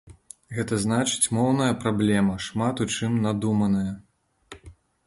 Гэта значыць моўная праблема шмат у чым надуманая.